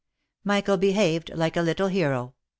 Michael behaved like a little hero.